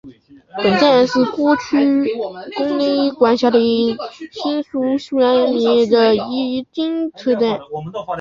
本站是过去宫内厅管辖的新宿御苑最近车站。